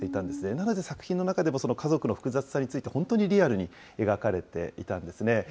なので、作品の中でもその家族の複雑さについて、本当にリアルに描かれていたんですね。